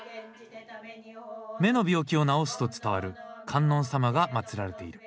目の病気を治すと伝わる観音様が祭られている。